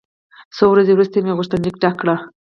څو ورځې وروسته مې غوښتنلیک ډک کړ.